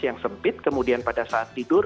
yang sempit kemudian pada saat tidur